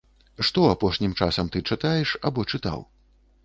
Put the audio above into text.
Што апошнім часам ты чытаеш або чытаў?